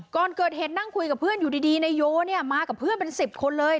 ก่อนเกิดเหตุนั่งคุยกับเพื่อนอยู่ดีนายโยเนี่ยมากับเพื่อนเป็น๑๐คนเลย